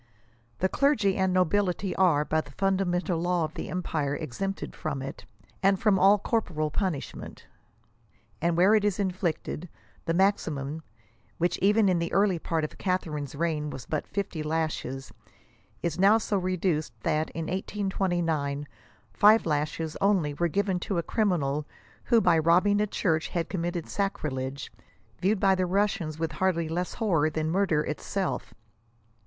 The clergy and nobility are, by the fundamental law of the empire exempted from it, and from all corporeal punishment," and where it is inflicted, " the maximum, which even in the early part of Catharine's reign was but flfly lashes, is now so reduced that, in 1829, five lashes only were given to a criminal who, by robbing a church, had com mitted sacrilege, viewed by the Russians with hardly less horror than murder itself."